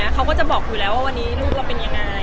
เขาก็จะบอกอยู่แล้วว่าวันนี้ลูกเราเป็นยังไง